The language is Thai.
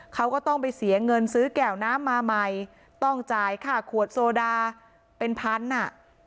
เขาก็ต้องไปเสียเงินซื้อแก่วน้ำมาใหม่ต้องจ่ายค่าขวดโซดาเป็นพันอ่ะ